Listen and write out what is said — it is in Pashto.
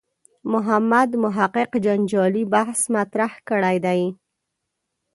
محمد محق جنجالي بحث مطرح کړی دی.